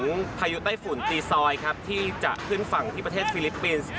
การถึงพายุใต้ฝุ่นตีซอยที่จะขึ้นฝั่งที่ประเทศฟิลิปปินส์